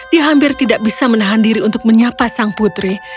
dia hampir tidak bisa menahan diri untuk menyapa sang putri